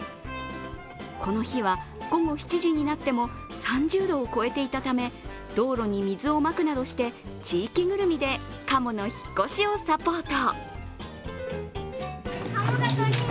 この日は午後７時になっても３０度を超えていたため道路に水をまくなどして地域ぐるみでカモの引っ越しをサポート。